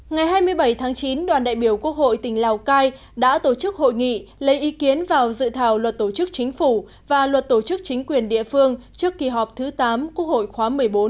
ngày hai mươi bảy tháng chín đoàn đại biểu quốc hội tỉnh lào cai đã tổ chức hội nghị lấy ý kiến vào dự thảo luật tổ chức chính phủ và luật tổ chức chính quyền địa phương trước kỳ họp thứ tám quốc hội khóa một mươi bốn